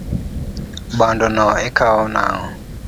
Bando no ikao nang'o?